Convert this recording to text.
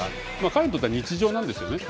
彼にとっては日常なんですね。